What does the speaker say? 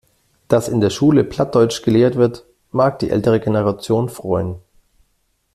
Dass in der Schule Plattdeutsch gelehrt wird, mag die ältere Generation freuen.